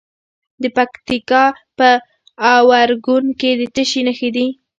د پکتیکا په اورګون کې د څه شي نښې دي؟